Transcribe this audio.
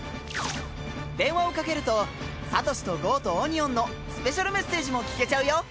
電話をかけるとサトシとゴウとオニオンのスペシャルメッセージも聞けちゃうよ。